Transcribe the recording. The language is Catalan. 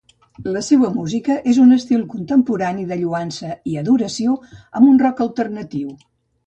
La seua música és un estil contemporani de lloança i adoració amb un rock alternatiu.